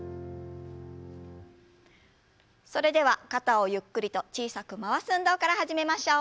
それでは肩をゆっくりと小さく回す運動から始めましょう。